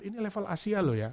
ini level asia loh ya